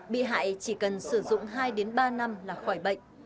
bị hại chỉ cần sử dụng hai ba năm là khỏi bệnh